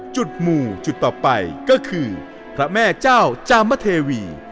หมู่จุดต่อไปก็คือพระแม่เจ้าจามเทวี